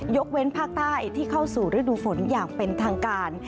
เว้นภาคใต้ที่เข้าสู่ฤดูฝนอย่างเป็นทางการ